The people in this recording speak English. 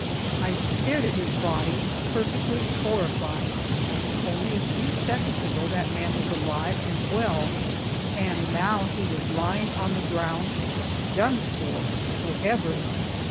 I stared at his body, perfectly horrified! Only a few seconds ago that man was alive and well, and now he was lying on the ground, done for, forever!